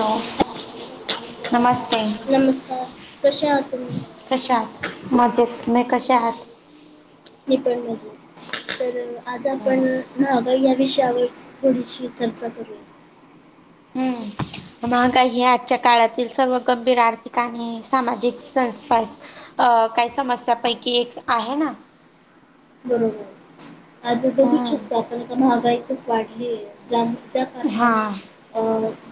Hello नमस्ते नमस्कार कसे आहात तुम्ही कशा आात माजेत म कसेा आात निपळ म्हजे तर आज बोला आपण हग या विषयावर थोडीशी चर्चा करूया हम्म महागाई ह आजच्या काळातील सर्व गंभीर आर्थिक आणि सामाजिक संस् अ काही समस्यापैकी एक आहे ना बरोबर आज बघूच हम्म शकतो आपण महागाई खूप वाढली आहे जाण ज्या हा कारणाने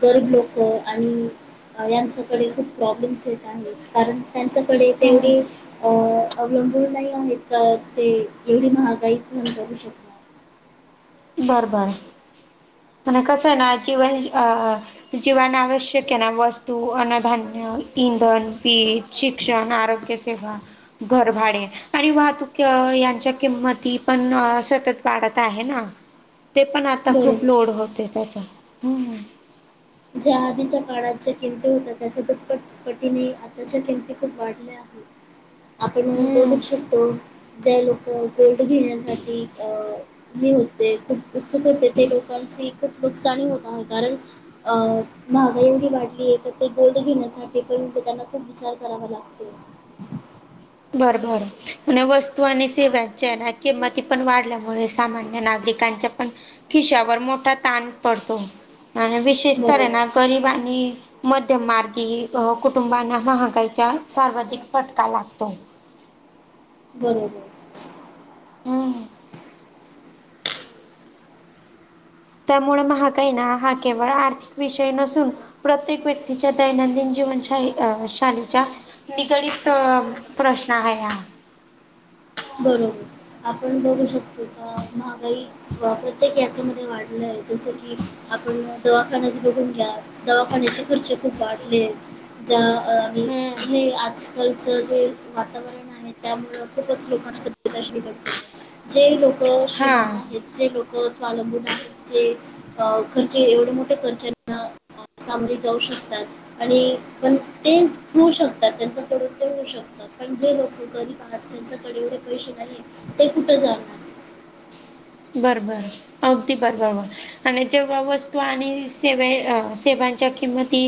गरीब लोक आणि यांच्याकडे खूप प्रॉब्लेम्स येत आहेत कारण त्यांच्याकडे हम्म तेवढी अवलंबळ नाही आहेत का ते एवढी महागाईचण करू शकत बरं बर म्ह कस आहे ना जिव अ जीवना आवश्यक ना वस्तू अनधान्य इंधन पीठ शिक्षण आरोग्य सेवा घरभाडे आणि वाहतूक यांच्या किंमती पण सतत वाढत आहे ना ते पण आता खूप बरोबर लोड होते त्याचा ज्या आधीच्या काळात ज्या किमती होत्या त्याच्या दुटपटपटीने आताच्या किमती खूप वाढल्या आपण हम्म. बघूच शकतो ज्या लोक गोल्ड घेण्यासाठी अ हे होते खूप उत्सुक होते ते लोकांची खूप नुकसानी होत कारण अ महागा एवढी वाढली आहे तर ते गोल्ड घेण्यासाठी पण ते त्यांना तेच विचार करावा लागते बर बर आणि वस्तू आणि सेवच्या किंमती पण वाढल्यामुळे सामान्य नागरिक पण खिशावर मोठा ताण पडतो, आणि विशेष तर ये बरोबर, ना गरिबांनी आणि मध्यम मार्गी, कुटुंबांना महागाईचा सर्वाधिक फटका वाटतो. बरोबर. हम्. त्यामुळे महागाई ना, हा केवळ आर्थिक विषय नसून प्रत्येक व्यक्तीच्या दैनंदिन जीवनशा शालीच्या निगडीत प्रश्न आहे हा. बरोबर, आपण बघू शकतो का महागाई प्रत्येक याच्यामध्ये वाढलंय, जसं की आपण दवाखना्याच बघून घ्या, दवाखान्याचे खर्च खूप वाढलेत. ज हम्म हे आजकालच जे वातावरण आणि त्यामुळे खूपच लोकांची [unintelligible] घडते, जे लोक हा श्रीमंत आहेत जे लोक स्वलंबून आहेत, जे अ खर्चे एवढे मोठे खर्च साम्री जाऊ शकतात आणि पण ते होऊ शकतात, त्यांच पपरत ते होऊ शकत. पण जे लोक गरीब आहेत, त्यांच्याकडे एवढे पैसे नाही, ते कुठं जाणार? बरंबर, अगदी बरबर. आणि जेव्हा वस्तू आणि सेवे सेवांच्या किंमती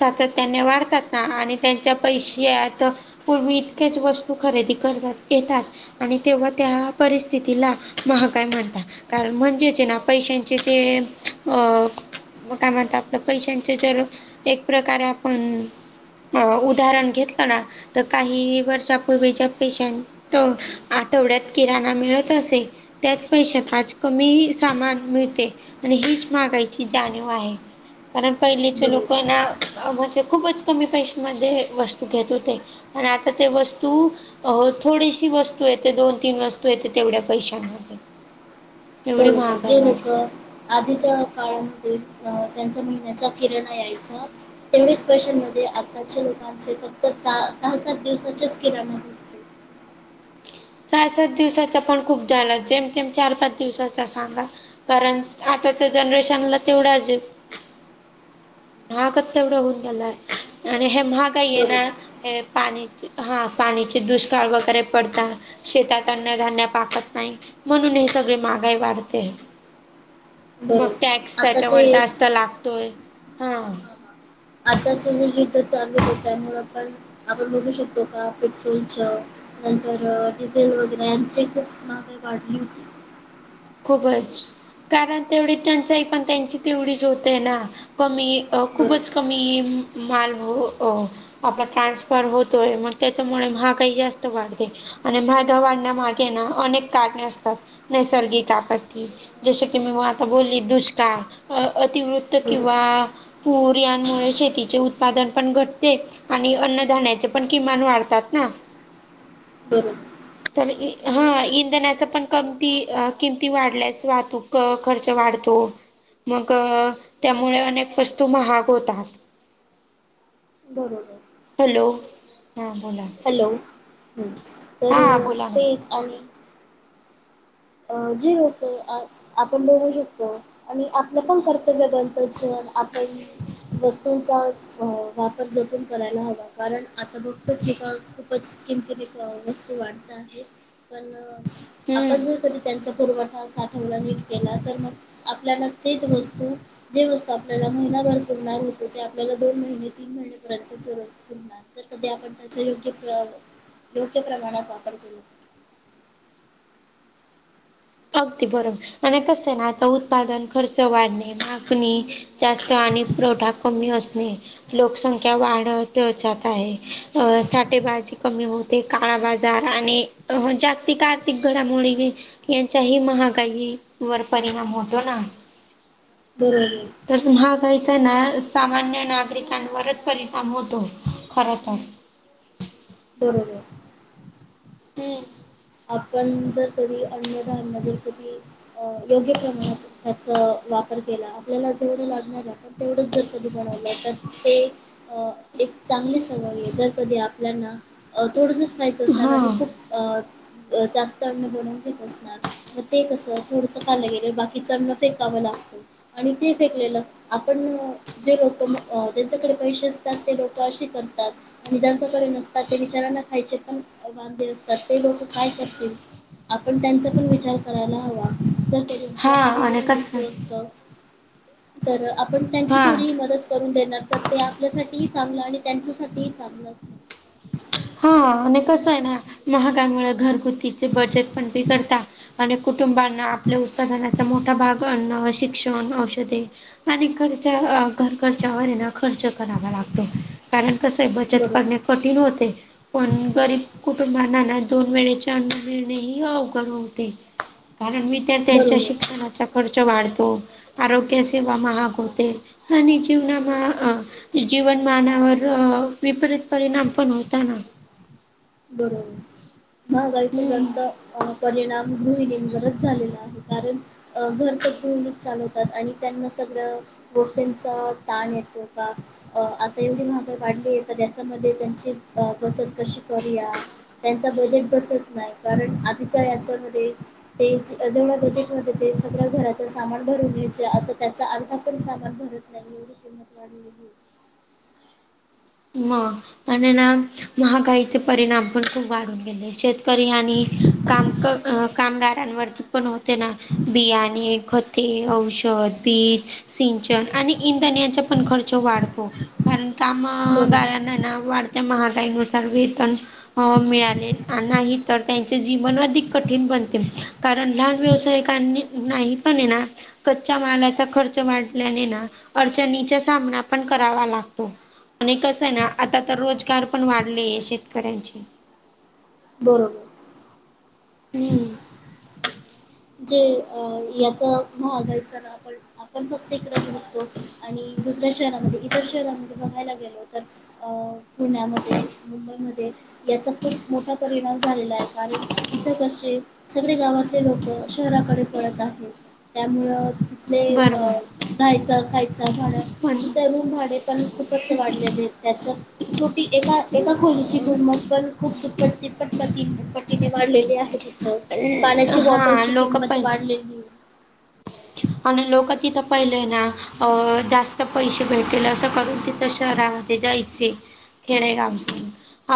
सातत्याने वाढतात ना, आणि त्यांच्या पैशत पूर्वी इतकेच वस्तू खरेदी करतात. येतात आणि तेव्हा त्या परिस्थितीला महागायी म्हणत कारण म्हणजे जेना पैशांचे जे अ म कामात आपलं पैशांच जर, एक प्रकारे आपण अ उदाहरण घेतलं ना, तर काही वर्षापूर्वीच्या पेश तो आठवड्यात किराणा मिळत असे, त्यात पैशात आज कमी सामान मिळते, आणि हीच मागायची जाणीव आहे. कारण पहिलीचे लोकना, बरोबर म्हणजे खूपच कमी पैशमध्ये वस्तू घेत होते. आणि आता ते वस्तू अ थोडीशी वस्तू येते, दोन तीन वस्तू येते, तेवढ्या पैशांमध्ये एवढी बरोबर, महागाई जे वाढ लोक आधीच्या काळामध्ये अ, त्यांचा महिन्याचा किराणा यायचा तेवढ्याच पैशांमध्ये आताच्या लोकांचे फक्त सहा सात दिवसाच्याच किराणा असते. चहा सात दिवसाचा पण खूप झाला, जेमतेम चार पाच दिवसाचा सांगा. कारण आताच्या जनरेशनला तेवढंच [unintelligible] महागच तेवढं होऊन गेलाय, आणि हे महाग ये ना बरोबर हे पाणी हां पाणीचे दुष्काळ वगैरे पडतात. शेतात अन्न धान्य पाकत नाही, म्हणून हे सगळे महागाई वाढते. [unintelligible] [inaudible] मग टॅक्स त्याच्यावर आताचे जास्त लागतोय, हा. आताच जे नित चालवत हो त्यामुळे पण आपण बघू शकतो का पेट्रोलच नंतर डिझेल वगैरे, यांची खूप महागाई वाढली होती. खूपच, कारण तेवढी टंचाई पण त्यांची तेवढीच होते ना, कमी बरोबर खूपच कमी मालव आपला ट्रान्सफर होतोय, मग त्याच्यामुळे हा काही जास्त वाढते. आणि मग वाढण्या मागे ना अनेक काढणे असतात नैसर्गिक आपत्ती. जस की मी मग आता बोलली दुष्काळ अतिवृत्त बरोबर किंवा. पोरयामुळे शेतीचे उत्पादन पण घटते. आणि अन्नधान्याचे पण किमान वाढतात ना. हम. तर हा इंधनाच पण कमती. किमती वाढल्यास वाहतूक खर्च वाढतो. मग त्यामुळे अनेक वस्तू महाग होतात. बरोबर. हॅलो हां बोला. हॅलो तर हा बोला ना तेच आ्ही. अ जी ओक. आपण बघू शकतो आणि आपलं पण कर्तव्य ग्रंथज आपण वस्तूंचा वापर जपून करायला हवा कारण आता बघतच एका खूपच किमतीिमी वस्तू वाढत आहे पण हम्म आपण जर कधी त्यांचा पुरवठा साठवडा नीट केला तर मग आपल्याला तेच वस्तू. जे वस्तू आपल्याला महिनाभर पुरणार होतो ते आपल्याला दोन महिने तीन महिनेपर्यंतरणार. जर कधी आपण त्याचा योग्य प्र योग्य प्रमाणात वापर करू. अगदी बरोबर आणि कस आहे ना आता उत्पादन खर्च वाढणे मागणी. जास्त आणि पुरवठा कमी असणे. लोकसंख्या वाढत जात आहे अ साठेबाजी कमी होत. ते काळा बाजार आणि अ जास्तिक आर्थिक घडामोडी यांच्याही महागाई वर परिणाम होतो ना. बरोबर. तर हा काहीचा आहे ना सामान्य नागरिकांवरच परिणाम होतो खर तर. बन. हम्. आपण जर कधी अन्नधान्य जरस की योग्य प्रमाणात त्याचा वापर केला आपल्याला जेवढ लागणार. तेवढंच जर कधी बनवलं तर ते. अ एक चांगली सवय आहे जर कधी आपल्याना थोडस खयचं असणार हा आणि खूप जास्त अन्न बनवून घेत असणार मग ते कसं थोडसं खालं गेलं बाकी चांण फेकावं लागतं. आणि ते फेकलेलं आपण जे लोक ज्यांच्याकडे पैसे असतात ते लोक असे करतात. आणि जच्याकडे नसतात ते विचारांना खायचे पण बांधे असतात ते लोक. काय कर आपण त्यांचा पण विचार करायला हवा. हा आपल्याकडे एवढ आणि कसं वस्तू असत तर आपण त्यांची हा थोडी मदत. करून देणार तर ते आपल्यासाठीही चांगलं आणि त्यांच्यासाठीही चांगलंच. हा आणि कसं आहे ना महाकायमुळे घरगुती ब पण कर आणि कुटुंबांना आपल्या उत्पादनाचा मोठा भाग. ण शिक्षण औषधे आणि घरच्या घर खर्च्यावर ये ना खर्च करावा लागतो. कारण कसं आहे बचत करणे बरोबर कठीण होते. पण गरीब कुटुंबनाना दोन वेळेचे अन् देणे ह अवघड होते. कारण विद्यार्थ्यांच्या बरोबर शिक्षणाचा खर्च वाढतो आरोग्य सेवा महाग होते आणिा आणि जीवनामा अ जीवनमानावर विपरीत परिणाम पण होताना बरोबर महागायचं जास्त हम्म अ परिणाम गृहिणींवरच झालेला आहे कारण अ भरतभूनीत चालवतात आणि त्यांना सगळं गोफींचा ताण येतो का अ आता एवढी महागाई वाढली आहे तर त्याच्यामध्ये त्यांची बचत कशी करूया त्यांचा बजेट बसत नाही कारण आधीच्या यांच्यामध्ये ते जेवढ बजेटमध्ये ते सगळं घराच सामान भरून घ्यायचे आता त्याचा अर्धा पण सामान भरत बंगळूर तिमपवाडीली म आणि ना महागाईचे परिणाम पण खूप वाढून गेले शेत री आणि काम कामदारांवरती पण होते ना बियाणे खते औषध पीक सिंचन आणि इंधनाचा पण खर्च वाढतो कारण का बरोबर त्याना ना वाढत्या महागाईनुसार वेतन मिळाले नाही तर ते जीवन अधिक कठीण बनते कारण लहान व्यवसायिकांनी नाही पण ये ना कच्च्या माल्याचा खर्च वाढल्याने ना अडचणीचा सामना पण करावा लागतो आणि कस आहे ना आता तर रोजगार पण वाढले शेतकऱ्यांचे बरोंबर हम्म जे अ याचा भाग आहे तर आपण आपण फक्त इकडच बघतो आणि दुसऱ्या शहरामध्ये इतर शहरांमध्ये बघायला गेलो तर अ पुण्यामध्ये मुंबईमध्ये याचा खूप मोठा परिणाम झालेला आहे कारण इथं कसे सगळे गावातले लोक शहराकडे पळत आहेत त्यामुळ तिथले बरोबर राहायचं खायच भाड पण इथ रूम भाडे पण खूपच वाढलेले आहेत त्याच छोटी एका एका खोलीची किंमत पण खूप दुप्पट तिप्पटपटी पटीने वाढलेली आहे त म हा लोकपण [inaudible] आणि लोक तिथं पहिले ना अ जास्त पैसे भेटेल असं करून तिथं शहरामध्ये जायचे खेडेगावून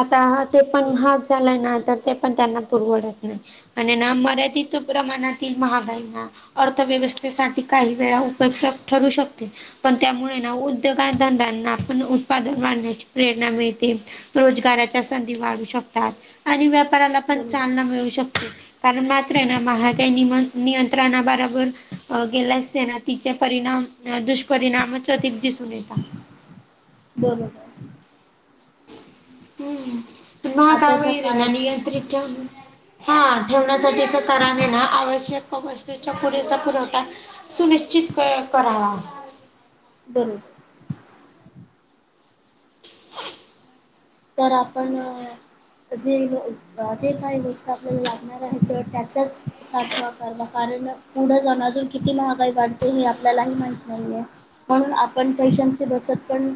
आता ते पण बरोबर हा त्यांना ना तर ते पण त्यांना पुरवडत नाही आणि ना मर्यादित प्रमाणातील महागाईना अर्थव्यवस्थ त्यासाठी काही वेळा उपठप ठरू शकते पण त्यामुळे ना उद्योगाधंद्यांना पण उत्पादन वाढण्याची प्रेरणा मिळते रोजगाराच्या संधी वाढू शकतात आणि व्यापाराला पण बरोबर चालना मिळू शकतात कारण मात्र ना महागई नियंत्रणा बरोबर गेल्या असते ना तिचे परिणाम दुष्परिणामच अधिक दिसून येतात बरोबर हम्म महागाई आताच्या वैगरे काळात नियत्रित ठेवणं हा ठेवण्यासाठी अस कराणे ना आवश्यक वस्तूचा पुरेसा पुरवठा सुनिश्चित करावा बर तर आपण जे जे काही गोष्ट आपल्याला लागणार आहे तर त्याचाच साठवा करावा कारण पुढं जाऊन अजून किती किती महागाई वाढते हे आपल्यालाही माहित नाहीये. म्हणून आपण पैशांची बचत करणं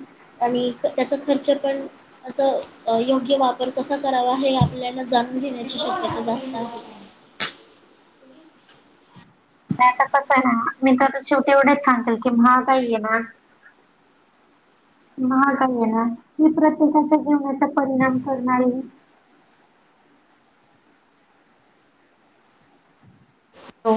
आणि त्याचा खर्च पण असं योग्य वापर कसा करावा हे आपल्याला जाणून घेण्याची शक्यता जास्त आहे. नाही आता कसं आहे ना मी तर शेवटी एवढेच सांगेल महागाई आहे ना महागाई आहे ना इतरांच्या सारख जिवणावर परिणाम करणारी हॅलो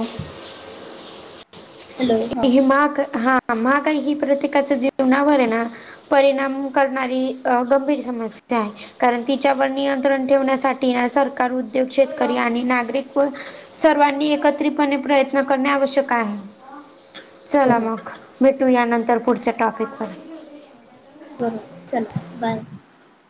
हॅलो हां ही माग हा महागाई प्रत्येकाच्या जीवनावर आहे ना परिणाम करणारी अ गंभीर समस्या आहे. कारण तिच्यावर नियंत्रण ठेवण्यासाठी ना सरकार उद्योग शेतकरी आणि नागरिक व सर्वांनी एकत्रितपणे प्रयत्न करणे आवश्यक आहे. चला बरोबर मग भेटू यानंतर पुढच्या टॉपिक वर बरं चला बाय